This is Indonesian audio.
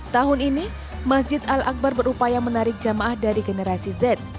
tahun ini masjid al akbar berupaya menarik jamaah dari generasi z